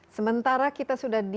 sementara kita sudah di